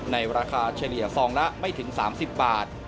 ในราคาเฉลี่ยซองละไม่ถึง๓๐บาท